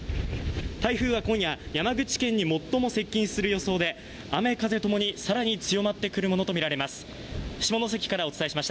台風は今夜、山口県に最も接近する予想で雨・風ともに更に強まってくるとみられます。